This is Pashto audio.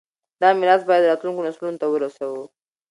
دا میراث باید راتلونکو نسلونو ته ورسوو.